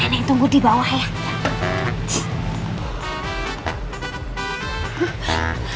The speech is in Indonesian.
nenek tunggu dibawah ya